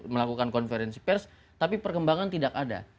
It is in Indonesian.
melakukan konferensi pers tapi perkembangan tidak ada